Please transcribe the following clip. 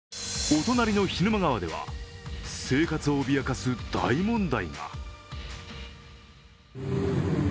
お隣の涸沼川では生活を脅かす大問題が。